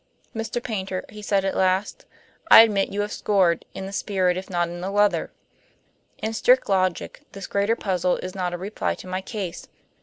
"Mr. Paynter," he said at last, "I admit you have scored, in the spirit if not in the letter. In strict logic, this greater puzzle is not a reply to my case.